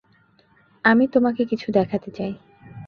আমি তোমাকে কিছু দেখাতে চাই।